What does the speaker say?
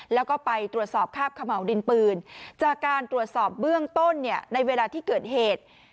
แล้วก็ไปตรวจสอบคาบขม่าวดินปืนจากการตรวจสอบเบื้องต้นเนี่ยในเวลาที่เกิดเหตุ